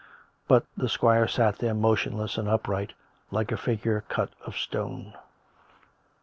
But the squire sat there, motionless and upright, like a figure cut of stone.